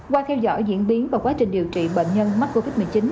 qua theo dõi diễn biến và quá trình điều trị bệnh nhân mắc covid một mươi chín